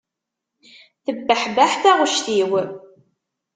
Tebbeḥbeḥ taɣect-iw.